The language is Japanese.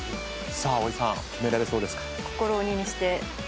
葵さん決められそうですか？